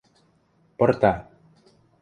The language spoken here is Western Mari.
Пырта.